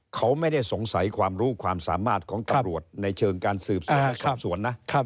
เขาไม่ได้สงสัยความรู้ความสามารถของตำรวจในเชิงการสืบสวนสอบสวนนะ